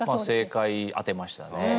正解当てましたね。